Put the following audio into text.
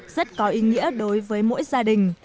rất có ý nghĩa đối với mỗi gia đình